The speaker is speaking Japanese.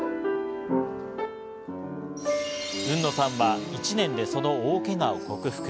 海野さんは１年でその大けがを克服。